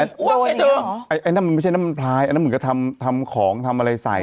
อันนั้นมันไม่ใช่น้ำมันพลายอันนั้นมันเหมือนกับทำทำของทำอะไรใส่